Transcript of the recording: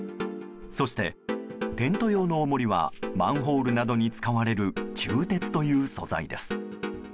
そして、テント用の重りはマンホールなどに使われる鋳鉄という素材です。